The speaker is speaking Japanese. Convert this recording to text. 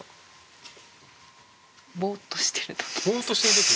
ぼーっとしてるとき？